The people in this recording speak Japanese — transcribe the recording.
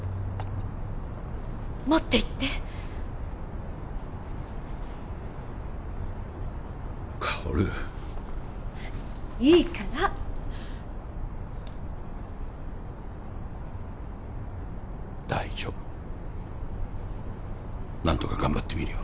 持っていって香いいから大丈夫何とか頑張ってみるよ